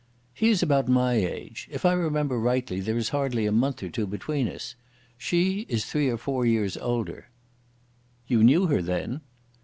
"He is about my age. If I remember rightly there is hardly a month or two between us. She is three or four years older." "You knew her then?"